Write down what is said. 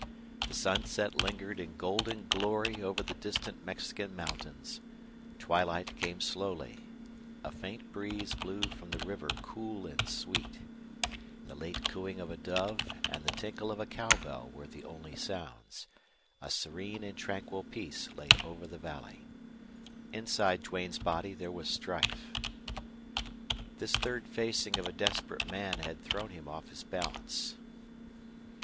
The sunset lingered in golden glory over the distant Mexican mountains; twilight came slowly; a faint breeze blew from the river cool and sweet; the late cooing of a dove and the tinkle of a cowbell were the only sounds; a serene and tranquil peace lay over the valley. Inside Duane's body there was strife. This third facing of a desperate man had thrown him off his balance.